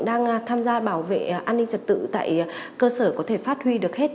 đang tham gia bảo vệ an ninh trật tự tại cơ sở có thể phát huy được hết